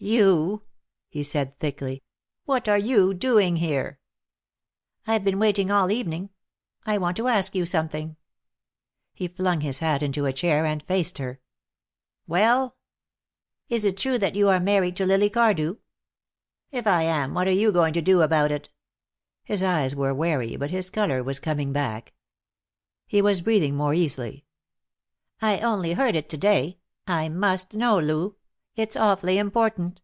"You!" he said thickly. "What are you doing here?" "I've been waiting all evening. I want to ask you something." He flung his hat into a chair and faced her. "Well?" "Is it true that you are married to Lily Cardew?" "If I am, what are you going to do about it?" His eyes were wary, but his color was coming back. He was breathing more easily. "I only heard it to day. I must know, Lou. It's awfully important."